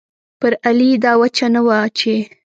پر علي دا وچه نه وه چې